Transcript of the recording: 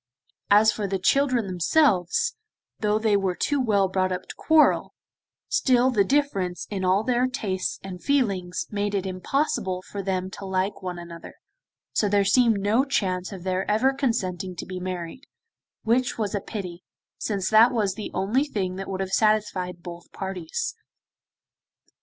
As for the children themselves, though they were too well brought up to quarrel, still the difference in all their tastes and feelings made it impossible for them to like one another, so there seemed no chance of their ever consenting to be married, which was a pity, since that was the only thing that would have satisfied both parties.